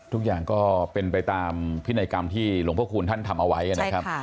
ทุกอย่างก็เป็นไปตามพินัยกรรมที่หลวงพระคูณท่านทำเอาไว้นะครับ